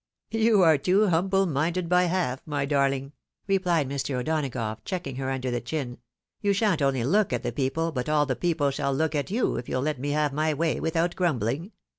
" You are too humble minded by half, my darling," rephed Mr. O'Donagough, chucking her under the chin. " Youshan't only look at the people, but all the people shall look at you, if you'U let me have my way without grumbling.